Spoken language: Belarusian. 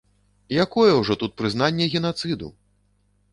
Якое ўжо тут прызнанне генацыду?!